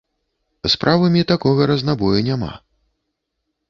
З правымі такога разнабою няма.